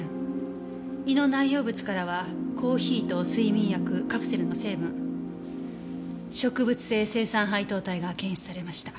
胃の内容物からはコーヒーと睡眠薬カプセルの成分植物性青酸配糖体が検出されました。